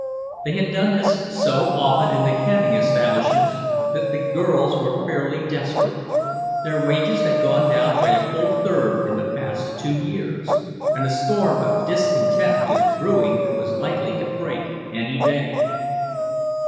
They had done this so often in the canning establishments that the girls were fairly desperate; their wages had gone down by a full third in the past two years, and a storm of discontent was brewing that was likely to break any day.